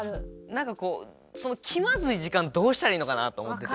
なんかこうその気まずい時間どうしたらいいのかなと思ってて。